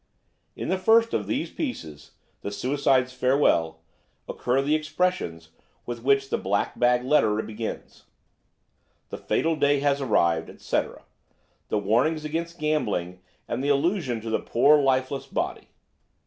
"In the first of these pieces, 'The Suicide's Farewell,' occur the expressions with which the black bag letter begins–'The fatal day has arrived,' etc., the warnings against gambling, and the allusions to the 'poor lifeless body.'